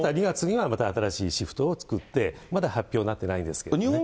２月にはまた新しいシフトを作って、まだ発表になっていないんですけどね。